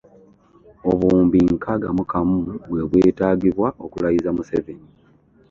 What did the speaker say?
Obuwumbi nkaaga mu kamu bwe bwetaagibwa okulayiza Museveni